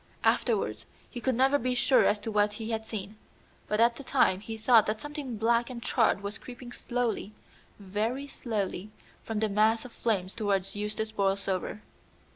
Afterwards he could never be quite sure as to what he had seen, but at the time he thought that something black and charred was creeping slowly, very slowly, from the mass of flames towards Eustace Borlsover.